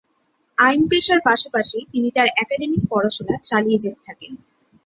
আইন পেশার পাশাপাশি তিনি তার অ্যাকাডেমিক পড়াশোনা চালিয়ে যেতে থাকেন।